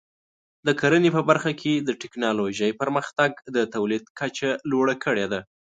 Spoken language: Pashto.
د کرنې په برخه کې د ټکنالوژۍ پرمختګ د تولید کچه لوړه کړې ده.